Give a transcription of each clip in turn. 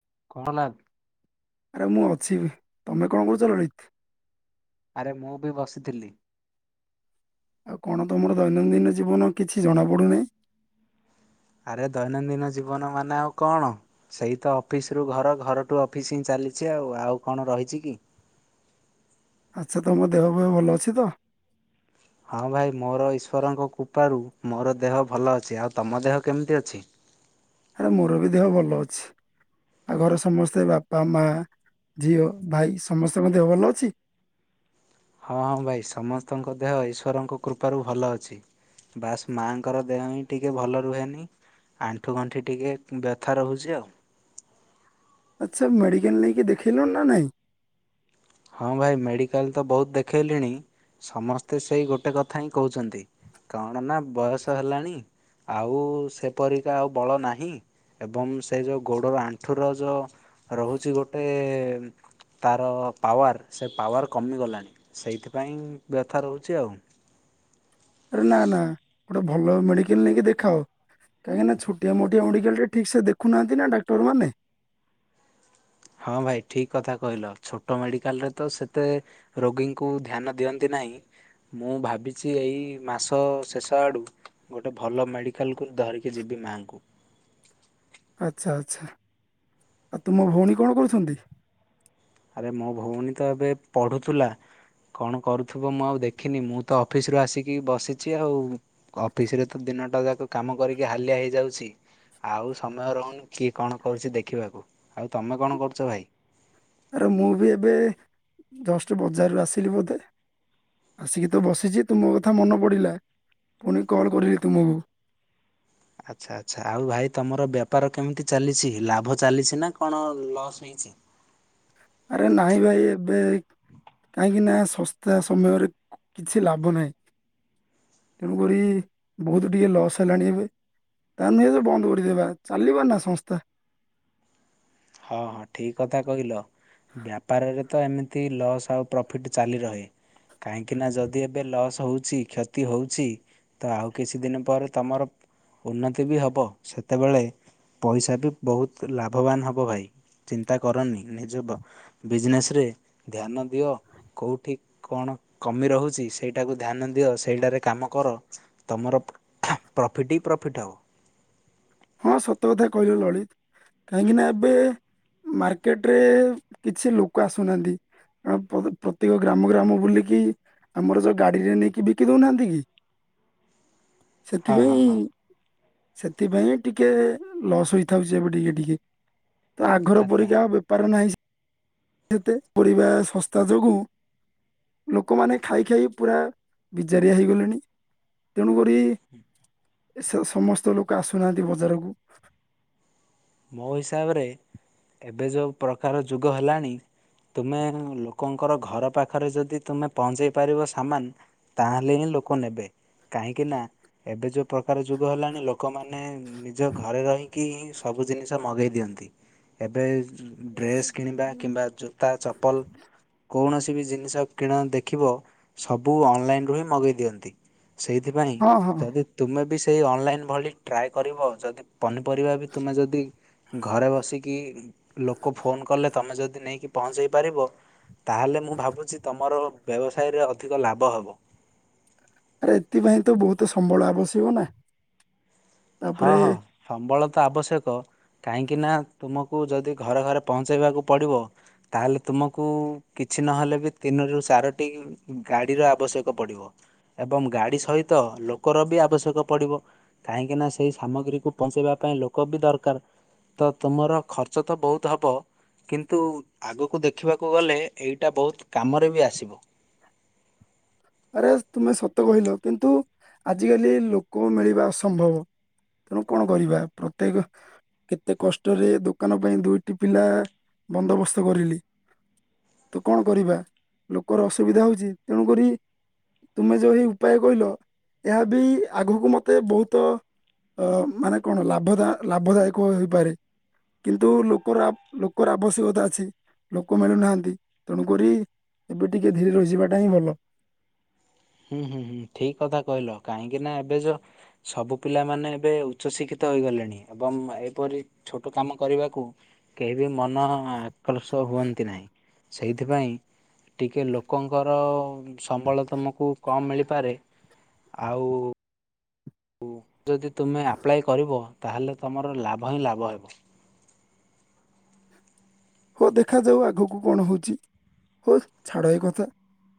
[inaudible] ଆରେ ମୁଁ ଅଛି ତମେ କଣ କରୁଛ ଲଳିତି? ଆରେ ମୁଁ ବି ବସିଥିଲି। ଆଉ କଣ ତମର ଦୈନନ୍ଦିନ ଜୀବନ କିଛି ଜଣା ପଡୁନାହିଁ। ଆରେ ଦୈନନ୍ଦିନ ଜୀବନ ମାନେ ଆଉ କଣ ସେଇ ତ ଅଫିସରୁ ଘର ଘର ଠୁ ଅଫିସ ହିଁ ଚାଲି ଚାଲିଛି ଆଉ ଆଉ କଣ ରହିଛି କି। ଆଚ୍ଛା ତମ ପେହ ପେହ ଭଲ ଅଛି ତ? ହଁ ଭାଇ ମୋର ଈଶ୍ଵରଙ୍କ କୃପାରୁ ମୋର ଦେହ ଭଲ ଅଛି ଆଉ ତମ ଦେହ କେମିତି ଅଛି? ଆରେ ମୋର ବି ଦେହ ଭଲ ଅଛି। ଆ ଘର ସମସ୍ତେ ବାପା ମା ଝିଅ ଭାଇ ସମସ୍ତଙ୍କ ଦେହ ଭଲ ଅଛି? [inaudible] ହଁ ହଁ ଭାଇ ସମସ୍ତଙ୍କ ଦେହ ଈଶ୍ୱରଙ୍କ କୃପାରୁ ଭଲ ଅଛି। ବାସ ମାଆଙ୍କର ଦେହ ହିଁ ଟିକେ ଭଲ ରୁହେନି। ଆଣ୍ଠୁ ଗଣ୍ଠି ଟିକେ ବ୍ୟଥା ରହୁଛି ଆଉ। ଆଚ୍ଛା ମେଡିକାଲ ନେଇକି ଦେଖେଇଲୁଣି ନା ନାହିଁ? ହଁ ଭାଇ ମେଡିକାଲ୍‌ ତ ବୋହୁତ ଦେଖେଇଲିଣି ସମସ୍ତେ ସେଇ ଗୋଟେ କଥା ହିଁ କୋହୁଚନ୍ତି କଣ ନା ବୟସ ହେଲାଣି ଆଉ ସେପରିକା ଆଉ ବଳ ନାହିଁ ଏବଂ ସେ ଯୋଉ ଗୋଡ ବା ଆଣ୍ଠୁର ଯ ରହୁଚି ଗୋଟେ ତାର ପାୱାର ସେ ପାୱାର କମିଗଲାଣି ସେଇଥିପାଇଁ ବ୍ୟଥା ରହୁଚି ଆଉ। ରେ ନା ନା ଗୋଟେ ଭଲ ମେଡିକାଲ୍‌ ନେଇକି ଦେଖାଅ। କାହିଁକିନା ଛୋଟିଆ ମୋଟିଆ ମେଡିକାଲରେ ଠିକସେ ଦେଖୁନାହାନ୍ତି ନା ଡାକ୍ତରମାନେ। ହଁ ଭାଇ ଠିକ୍ କଥା କହିଲ ଛୋଟ ମେଡିକାଲରେ ତ ସେତେ ରୋଗୀଙ୍କୁ ଧ୍ୟାନ ଦିଅନ୍ତି ନାହିଁ ମୁଁ ଭାବିଚି ଏଇ ମାସ ଶେଷ ଆଡୁ ଗୋଟେ ଭଲ ମେଡିକାଲକୁ ଧରିକି ଯିବି ମାଆଙ୍କୁ। ଆଚ୍ଛା ଆଚ୍ଛା ଆଉ ତୁମ ଭୋଉଣୀ କଣ କରୁଛନ୍ତି? ଆରେ ମୋ ଭଉଣୀ ତ ଏବେ ପଢ଼ୁଥୁଲା କଣ କରୁଥିବ ମୁଁ ଆଉ ଦେଖିନି ମୁଁ ତ ଅଫିସରୁ ଆସିକି ବସିଚି ଆଉ କ-ଅଫିସରେ ତ ଦିନ ଦିନଟା ଯାକ କାମ କରିକି ହାଲିଆ ହେଇଯାଉଛି। ଆଉ ସମୟ ରହୁନି କିଏ କଣ କରୁଚି ଦେଖିବାକୁ ଆଉ ତମେ କଣ କରୁଚ ଭାଇ? ଆରେ ମୁଁ ବି ଏବେ ଜଷ୍ଟ ବଜାରରୁ ଆସିଲି ବୋଧେ। ଆସିକି ତ ବସିଚି ତୁମ କଥା ମନ ପଡିଲା ପୁଣି କଲ୍ କଢିଲି ତୁମକୁ। ଆଚ୍ଛା ଆଚ୍ଛା ଆଉ ଭାଇ ତମର ବେପାର କେମିତି ଚାଲିଛି ଲାଭ ଚାଲିଛି ନା କଣ ଲସ୍ ହେଇଛି? ଆରେ ନାଇଁ ଭାଇ ଏବେ କାହିଁକି ନା ଶସ୍ତା ସମୟରେ କିଛି ଲାଭନାହିଁ। ତେଣୁକରି ବୋହୁତ ଟିକେ ଲସ୍ ହେଲାଣି ଏବେ। ତା ନୁହେଁ ତ ବନ୍ଦ କରିଦେବା ଚାଲିବ ନା ସଂସ୍ଥା। ହଁ ହଁ ଠିକ୍ କଥା କହିଲ। ବ୍ୟାପାରରେ ତ ଏମିତି ଲସ୍ ଆଉ ପ୍ରଫିଟ୍ ଚାଲିରହେ। କାହିଁକି ନା ଯଦି ଏବେ ଲସ୍ ହୋଉଛି କ୍ଷତି ହୋଉଛି ତ ଆଉ କିଛି ଦିନ ପରେ ତମର ଉନ୍ନତି ବି ହେବ ସେତେବେଳେ ପଇସା ବି ବୋହୁତ ଲାଭବାନ ହ ହବ ଭାଇ ଚିନ୍ତା କରନି ନିଜ ବ-ବିଜନେସ୍‌ରେ ଧ୍ୟାନ ଦିଅ। କୋଉଠି କଣ କମି ରହୁଛି ସେଇଟାକୁ ଧ୍ୟାନ ଦିଅ ସେଇଟାରେ କାମ କର ତମର ପ୍ରଫିଟ୍ ହି ପ୍ରଫିଟ୍ ହବ। ହଁ ସତ କଥା କହିଲ ଲଳିତ କାହିଁକିନା ଏବେ ମାର୍କେଟରେ କିଛି ଲୋକ ଆସୁନାହାନ୍ତି। ଆଉ ପତ ପ୍ରତ୍ୟେକ ଗ୍ରାମ ଗ୍ରାମ ବୁଲିକି ଆମର ଯୋଉ ଗାଡିରେ ନେଇକି ବିକି ଦୋଉନାହାନ୍ତି କି। ହଁ ହଁ ସେଥିପାଇଁ ହଁ। ସେଥିପାଇଁ ଏ ଟିକେ ଲସ୍ ହେଇଥାଉଛି ଏବେ ଟିକେ ଟିକେ ତ ଆଘରେ ଆଚ୍ଛା ପଡିକି ଆଉ ବେପାର ନାହିଁ ସେ ସେତେ ପଡିବା ଶସ୍ତା ଯୋଗୁ ଲୋକମାନେ ଖାଇ ଖାଇ ପୁରା ବିଜାରିଆ ହେଇଗଲେଣି ତେଣୁ ଗୋ କି ସେ ସମସ୍ତ ଲୋକ ଆସୁନାହାନ୍ତି ବଜାରକୁ। ମୋ ହିସାବରେ ଏବେ ଯୋଉ ପ୍ରକାର ଯୁଗ ହେଲାଣି ତୁମେ ଲୋକଙ୍କର ଘର ପାଖରେ ଯଦି ତୁମେ ପହଞ୍ଚେଇ ପାରିବ ସାମାନ ତାହେଲେ ହିଁ ଲୋକ ନେବେ କାହିଁକିନା ଏବେ ଯୋଉ ପ୍ରକାର ଯୁଗ ହେଲାଣି ଲୋ ଲୋକମାନେ ନିଜ ଘରେ ରହିକିି ହିଁ ସବୁ ଜିନିଷ ମଗେଇ ଦିଅନ୍ତି ଏବେ ଡ୍ରେସ୍ କିଣିବା କିମ୍ବା ଜୋତା ଚପଲ୍ କୌଣସି ସି ବି ଜିନିଷ କିଣ ଦେଖିବ ସବୁ ଅନଲାଇନରୁ ହିଁ ମଗେଇ ଦିଅନ୍ତି। ସେଇଥିପାଇଁ ହଁ ହଁ ଯଦି ତୁମେ ବି ସେଇ ଅନଲାଇନ୍ ଭଳି ଟ୍ରାଏ କରିବ ଯଦି ପନିପରିବା ବି ତୁମେ ଯଦି ଘରେ ବସିକି ଲୋକ ଫୋନ କଲେ ତମେ ଯଦି ନେଇକି ପହଞ୍ଚେଇ ପାରିବ ତାହେଲେ ମୁଁ ଭାବୁଛି ତମର ବ୍ୟବସାୟରେ ଅଧିକ ଲାଭ ହବ। ଆରେ ଏଥିପାଇଁ ତ ବହୁତ ସମ୍ବଳ ଆବଶ୍ୟକ ନା? ହଁ ତାପରେ ହଁ ସମ୍ବଳ ତ ଆବଶ୍ୟକ। କାହିଁକି ନା ତୁମକୁ ଯଦି ଘରେ ଘରେ ପହଞ୍ଚେଇବାକୁ ପଡିବ ତାହେଲେ ତୁମକୁ କି କିଛି ନହେଲେ ବି ତିନିରୁ ଚାରୋଟି ଗାଡ଼ିର ଆବଶ୍ୟକ ପଡ଼ିବ ଏବଂ ଗାଡ଼ି ସହିତ ଲୋକର ବି ଆବଶ୍ୟକ ପଡିବ କାହିଁକି ନା ସେଇ ସାମଗ୍ରୀକୁ ପହଞ୍ଚେଇବା ପାଇଁ ଲୋକ ବି ଦରକାର ତ ତୁମର ଖର୍ଚ୍ଚ ତ ବହୁତ ହବ କିନ୍ତୁ ଆଗକୁ ଦେଖିବାକୁ ଗଲେ ଏଇଟା ବହୁତ କାମରେ ବି ଆସିବ। [unintelligible] ଆରେ ତୁମେ ସତ କହିଲ କିନ୍ତୁ ଆଜିକାଲି ଲୋକ ମିଳିବା ଅସମ୍ଭବ। ତେଣୁ କଣ କରିବା ପ୍ରତ୍ୟେକ କେତେ କଷ୍ଟରେ ଦୋକାନ ପାଇଁ ଦୁଇଟି ପିଲା ବନ୍ଦୋବସ୍ତ କରିଲି। ତ କଣ କରିବା ଲୋକର ଅସୁବିଧା ହଉଛି ତେଣୁକରି ତୁମେ ଯୋଉ ଏଇ ଉପାୟ କହିଲ ଏହା ବି ଆଗକୁ ମତେ ବହୁତ ଅ ମାନେ କଣ ଲାଭ ଲାଭଦାୟକ ହେଇପାରେ। କିନ୍ତୁ ଲୋକର ଲୋକର ଆବଶ୍ୟକତା ଅଛି ଲୋକ ମିଳୁନାହାନ୍ତି ତେଣୁକରି ଏବେ ଟିକେ ଧୀରେ ରହିଯିବାଟା ହିଁ ଭଲ। ହୁଁ ହୁଁ ହୁଁ ଠିକ କଥା କହିଲ କାହିଁକି ନା ଏବେ ଯୋଉ ସବୁ ପିଲାମାନୋନେ ଏବେ ଉଚ୍ଚ ଶିକ୍ଷିତ ହୋଇଗଲେଣି ଏବଂ ଏହିପରି ଛୋଟ କାମ କରିବାକୁ କେହି ବି ମନ ଆକର୍ଷ ହୁଅନ୍ତି ନାହିଁ ସେଇଥିପାଇଁ ଟିକେ ଲୋକଙ୍କର ସମ୍ବଳ ତମକୁ କମ୍ ମିଳିପାରେ ଆଉ ଆ ଯଦି ତୁମେ ଆପ୍ଲାଏ କରିବ ତାହେଲେ ତୁମର ଲାଭ ହିଁ ଲାଭ ହେବ [unintelligible] ହ ଦେଖାଯାଉ ଆଗକୁ କଣ ହଉଛି। ହଉ ଛାଡ ଏଇ କଥା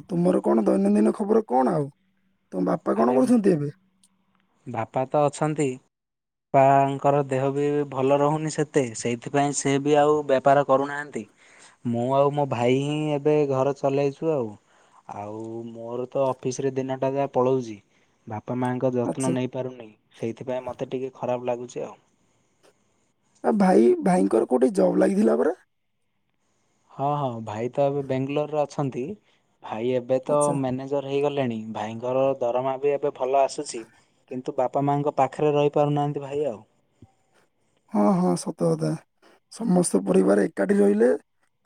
ଆଉ ତୁମର କଣ ଦୈନନ୍ଦିନ ଖବର କଣ ଆଉ? ତମ ବାପା କଣ ଆରେ କରୁଛନ୍ତି ଏବେ? ବାପଙ୍କର ଦେହ ବି ଭଲ ରହୁନି ସେତେ ସେଇଥିପାଇଁ ସେ ବି ଆଉ ବେପାର କରୁନାହାନ୍ତି। ମୁଁ ଆଉ ମୋ ଭାଇ ହିଁ ଏବେ ଘର ଚଲେଇଛୁ ଆଉ। ଆଉ ମୋର ତ ଅଫିସ ରେ ଦିନଟା ଯା ପଳାଉଛି ବାପା ମାଙ୍କ ଯତ୍ନ ଆଚ୍ଛା ନେଇ ପାରୁନି ସେଇଥିପାଇଁ ମତେ ଟିକେ ଖରାପ ଲାଗୁଛି। ଯଅ ଆ ଭାଇ ଭାଇଙ୍କର କୋଉଠି ଜବ୍ ଲାଗିଥିଲା ପରା? ହଁ। ଭାଇଙ୍କର ଆଚ୍ଛା ଦରମା ବି ଏବେ ଭଲ ଆସୁଛି କିନ୍ତୁ ବାପା ମାଙ୍କ ପାଖରେ ରହିପାରୁନାହାନ୍ତି ଭାଇ ଆଉ। ହଁ ହଁ ସତ କଥା। ସମସ୍ତ ପରିବାର ଏକାଠି ରହିଲେ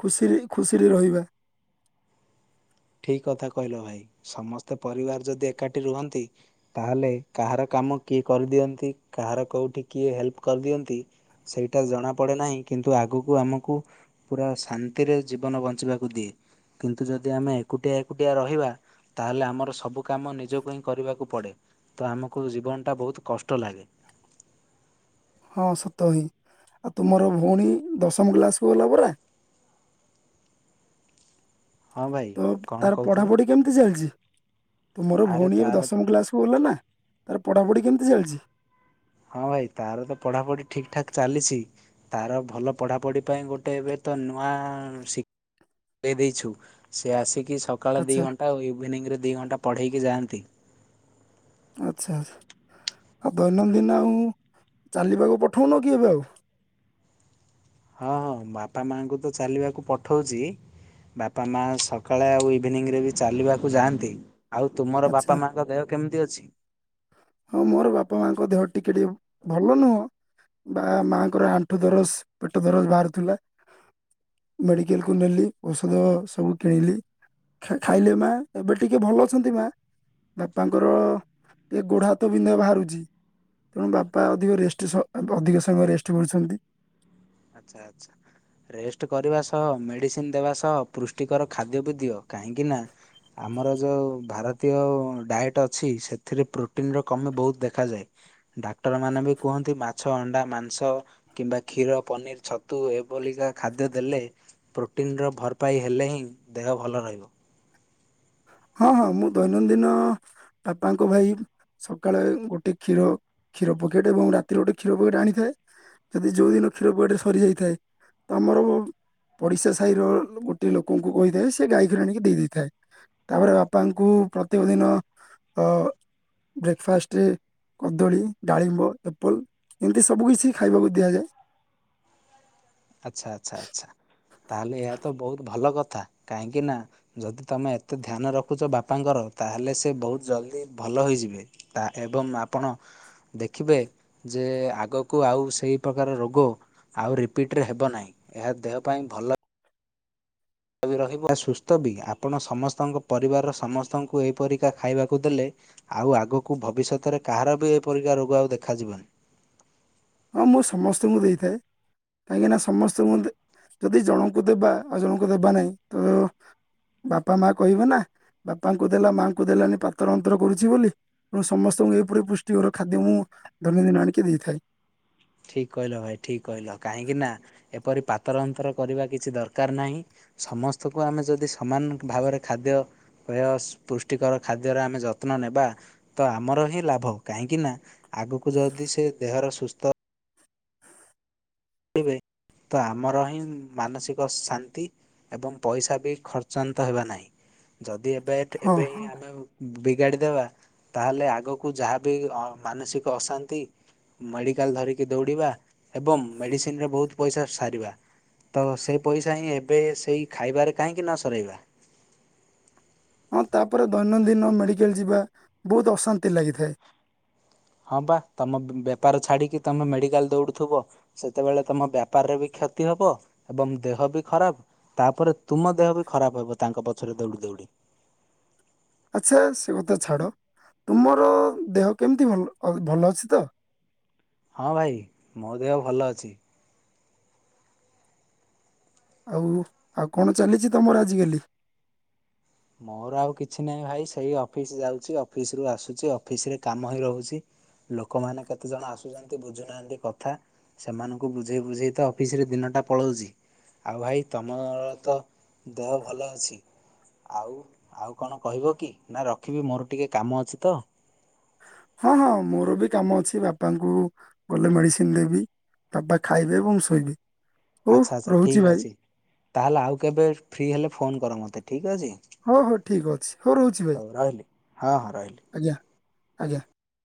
ଖୁସି ଖୁସିରେ ରହିବା। [unintelligible] ଠିକ କଥା କହିଲ ଭାଇ ସମସ୍ତେ ପରିବାର ଯଦି ଏକାଠି ରୁହନ୍ତି ତାହେଲେ କାହାର। କାମ କିଏ କରିଦିଅନ୍ତି କାହାର କେଉଁଠି କିଏ ହେଲ୍ପ କରିଦିଅନ୍ତି ସେଇଟା ଜଣାପଡ଼େ ନାହିଁ କିନ୍ତୁ। କିନ୍ତୁ ଆଗକୁ ଆମକୁ ପୁରା ଶାନ୍ତିରେ ଜୀବନ ବଞ୍ଚିବାକୁ ଦିଏ କିନ୍ତୁ ଯଦି ଆମେ। ଏକୁଟିଆ ଏକୁଟିଆ ରହିବା। ତାହେଲେ ଆମର ସବୁ କାମ ନିଜକୁ ହିଁ କରିବାକୁ ପଡ଼େ ତ ଆମକୁ ଜୀବନଟା ବହୁତ କଷ୍ଟ ଲାଗେ। [unintelligible] ହଁ ସତ ହିଁ ଆଉ ତୁମର ଭଉଣୀ ଦଶମ କ୍ଲାସକୁୁ ଗଲା ପରା। ହଁ ଭାଇ ତ କଣ ତାର କହୁଥିଲ ପଢାପଢି କେମିତି ଚାଲିଛି। ତୁ ମୋର ଆରେ ଭଉଣୀ ଏବେ ତାର ଦଶମ କ୍ଲାସକୁ ଗଲ ନା ତାର ପଢ଼ାପଢ଼ି କେମିତି ଚାଲିଛି। ହଁ ଭାଇ ତାର ତ ପଢାପଢି ଠିକ ଠାକ ଚାଲିଛି ତାର ଭଲ ପଢାପଢି ପାଇଁ ଗୋଟେ ଏବେ। ତ ନୂଆ ଶିକ୍ଷକ ଦେଇ ଦେଇଛୁ ସେ ଆସିକି। କି ସକାଳ ଦୁଇ ଆଚ୍ଛା ଘଣ୍ଟା ଓ ଇଭିନିଂରେ ଦୁଇ ଘଣ୍ଟା ପଢ଼େଇକି ଯାଆନ୍ତି। ଆଚ୍ଛା ଆଚ୍ଛା। ଆଉ ଦୈନନ୍ଦିନ ଆଉ ଚାଲିବାକୁ ପଠଉନ କି ଏବେ ଆଉ? ହଁ ହଁ ବାପା ମାଙ୍କୁ ତ ଚାଲିବାକୁ ପଠଉଚି। ବାପା ମା ସକାଳେ ଆଉ ଇଭିନିଂରେ ବି ଚାଲିବାକୁ ଯାଆନ୍ତି। ଆଉ ତୁମର ଆଚ୍ଛା ବାପା ମାଙ୍କ ଦେହ କେମିତି ଅଛି? ହଁ ମୋର ବାପା ମାଆଙ୍କ ଦେହ ଟିକେ ଟିକେ ଭଲ ନୁହଁ ବା ମାଆଙ୍କର ଆଣ୍ଠୁ ଦରଜ ପେଟ ଦରଜ ବାହାରୁଥୁଲା। ମେଡ଼ିକାଲ କୁ ନେଲି ଔଷଧ ସବୁ କିଣିଲି। ଖାଇଲେ ମା ଏବେ ଟିକେ ଭଲ ଅଛନ୍ତି ମା ବାପାଙ୍କର ଟିକେ ଗୋଡ ହାତ ବିନ୍ଧା ବାହାରୁଚି। ତେଣୁ ବାପା ଅଧିକ ରେଷ୍ଟ ସ ଅଧିକ ସମୟ ରେଷ୍ଟ କରୁଛନ୍ତି। ଆଚ୍ଛା ଆଚ୍ଛା। ରେଷ୍ଟ କରିବା ସହ ମେଡିସିନ ଦେବା ସହ ପୁଷ୍ଟିକର ଖାଦ୍ୟ ବି ଦିଅ କାହିଁକି ନା ଆମର ଯୋଉ ଭାରତୀୟ ଡାଏଟ ଅଛି ସେଥିରେ ପ୍ରୋଟିନ ର କମି ବହୁତ ଦେଖାଯାଏ। ଡାକ୍ତର ମାନେ ବି କୁହନ୍ତି ମାଛ, ଅଣ୍ଡା, ମାଂସ କିମ୍ବା କ୍ଷୀର ପନିର, ଛତୁ ଏଭଳିିକା ଖାଦ୍ୟ ଦେଲେ ପ୍ରୋଟିନ ର ଭରପାଇ ହେଲେ ହିଁ ଦେହ ଭଲ ର ରହିବ। ହଁ ହଁ ମୁଁ ଦୈନନ୍ଦିନ ବାପାଙ୍କ ପାଇଁ ସକାଳେ ଗୋଟେ କ୍ଷୀର କ୍ଷୀର ପକେଟ ଏବଂ ରାତିରେ ଗୋଟେ କ୍ଷୀର ପକେଟ ଆଣିଥାଏ। ଯଦି ଯୋଉ ଦିନ କ୍ଷୀର ପକେଟ୍ ସରିଯାଇଥାଏ ତ ଆମର ପଡିଶା ସାହି ର ଗୋଟେ ଲୋକଙ୍କୁ କହିଥାଏ ସେ ଗାଈ କ୍ଷୀର ଆଣିକି ଦେଇ ଦେଇଦେଇଥାଏ। ତାପରେ ବାପାଙ୍କୁ ପ୍ରତ୍ୟେକ ଦିନ ବ୍ରେକଫାଷ୍ଟରେ କଦଳୀ, ଡାଳିମ୍ବ, ଆପଲ୍ ଏମିତି ସବୁ କିଛି ଖାଇବାକୁ ଦିଆଯାଏ। ଆଚ୍ଛା ଆଚ୍ଛା ଆଚ୍ଛା। ତାହେଲେ ଏହା ତ ବହୁତ ଭଲ କଥା କାହିଁକି ନା ଯଦି ତମେ ଏତେ ଧ୍ୟାନ ରଖୁଚ ବାପାଙ୍କର ତାହେଲେ ସେ ବହୁତ ଜଲଦି ଭଲ ହୋଇଯିବେ ଏବଂ ଆପଣ ଦେଖିବେ ଯେ ଆଗକୁ ଆଉ ସେହି ପ୍ରକାର ରୋଗ ଆଉ ରି ପିଟ ରେ ହେବ ନାହିଁ। ଏହା ଦେହ ପାଇଁ ଭଲ ରହିବ ସୁସ୍ଥ ବି ଆପଣ ସମସ୍ତଙ୍କ ପରିବାରର ସମସ୍ତଙ୍କୁ ଏହିପରିକା ଖାଇବାକୁ ଦେଲେ ଆଉ ଆଗକୁ ଭବିଷ୍ୟତରେ କାହାର ବି ଏପରିକା ରୋଗ ଆଉ ଦେଖାଯିବନି। ହଁ ମୁଁ ସମସ୍ତଙ୍କୁ ଦେଇଥାଏ। କାହିଁକିନା ସମସ୍ତଙ୍କୁ ଯଦି ଜଣଙ୍କୁ ଦେବା ଆଉ ଜଣଙ୍କୁ ଦେବା ନାହିଁ ତ ବାପା ମା କହିବେ ନା ବାପାଙ୍କୁ ଦେଲା ମାଆଙ୍କୁ ଦେଲାନି ପାତର ଅନ୍ତର କରୁଛି ବୋଲି ସମସ୍ତଙ୍କୁ ଏପରି ପୁଷ୍ଟିିକର ଖାଦ୍ୟ ମୁଁ ଦୈନନ୍ଦିନ ଆଣିକି ଦେଇଥାଏ। ଠିକ କହିଲ ଭାଇ ଠିକ କହିଲ କାହିଁକି ନା ଏ ପରି ପାତର ଅନ୍ତର କରିବା କିଛି ଦରକାର ନାହିଁ ସମସ୍ତଙ୍କୁ ଆମେ ଯଦି ସମାନ ଭାବରେ ଖାଦ୍ୟ ପ୍ରେୟ ପୁଷ୍ଟିକର ଖାଦ୍ୟର ଆମେ ଯତ୍ନ ନେବା ତ ଆମର ହିଁ ଲାଭ କାହିଁକି ନା ଆଗକୁ ଯଦି ସେ ଦେହର ସୁସ୍ଥ ତେବେ ତ ଆମର ହିଁ ମାନସିକ ଶାନ୍ତି ଏବଂ ପଇସା ବି ଖର୍ଚ୍ଚାନ୍ତ ହେବା ନାହିଁ। ଯଦି ଏବେ ହଁ ଏବେ ହି ହଁ ଆମେ ଗାଡି ଦେବା ତାହେଲେ ଆଗକୁ ଯାହାବି ମାନସିକ ଅଶାନ୍ତି ମେଡିକାଲ ଧରିକି ଦୌଡିବା ଏବଂ ମେଡିସିନ ରେ ବହୁତ ପଇସା ସାରିବା। ତ ସେଇ ପଇସା ହିଁ ଏବେ ସେଇ ଖାଇବାରେ କାହିଁକି ନ ସରାଇବା। [inaudible] ତାପରେ ଦୈନନ୍ଦିନ ମେଡ଼ିକାଲ ଯିବା ବହୁତ ଅଶାନ୍ତି ଲାଗିଥାଏ। ହଁ ପା ତମ ବେପାର ଛାଡିକି ତମେ ମେଡିକାଲ ଦଉଡୁଥୁବ ସେତେବେଳେ ତମ ବ୍ୟାପାରରେ ବି କ୍ଷ କ୍ଷତି ହବ ଏବଂ ଦେହ ବି ଖରାପ ତାପରେ ତୁମ ଦେହ ବି ଖରାପ ହବ ତାଙ୍କ ପଛରେ ଦୌଡ଼ି ଦୌଡ଼ି। ଆଛା ସେ କଥା ଛାଡ଼ ତୁମର ଦେହ କେମିତି ଭଲ ଭଲ ଅଛି ତ? ହଁ ଭାଇ ମୋ ଦେହ ଭଲ ଅଛି। ଆଉ ଆଉ କଣ ଚାଲିଛି ତମର ଆଜିକାଲି? ମୋର ଆଉ କିଛି ନାହିଁ ଭାଇ ସେଇ ଅଫିସ ଯାଉଛି। ଅଫିସ ରୁ ଆସୁଛି ଅଫିସ ରେ କାମ ହିଁ ରହୁଛି। ଲୋକମାନେ କେତେ ଜଣ ଆସୁଛନ୍ତି ବୁଝୁନାହାନ୍ତି କଥା। ସେମାନଙ୍କୁ ବୁଝେଇ ବୁଝେଇ ତ ଅଫିସ ରେ ଦିନଟା ପଳଉଚି। ଆଉ ଭାଇ ତମର ତ ଦେହ ଭଲ ଅଛି। ଆଉ ଆଉ କଣ କହିବ କି ନା ରଖିବି ମୋର ଟିକେ କାମ ଅଛି ତ? ହଁ ହଁ ମୋର ବି କାମ ଅଛି ବାପାଙ୍କୁ ଗଲେ ମେଡିସିନ ଦେବି। ତାପରେ ଖାଇବେ ଏବଂ ଶୋଇବେ। ହଉ ଆଚ୍ଛା ଆଚ୍ଛା ରହୁଛି ଠିକ୍ ଭାଇ ଅଛି ତାହେଲେ ଆଉ କେବେ ଫ୍ରି ହେଲେ ଫୋନ କର ମତେ। ହଉ ହଉ ଠିକ ଅଛି ହଉ ରହୁଛି ଭାଇ ରହିଲି ହଁ ହଁ ରହିଲି। [inaudible] ଆଜ୍ଞା ଆଜ୍ଞା।